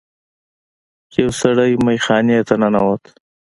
یو سړی میخانې ته ننوت.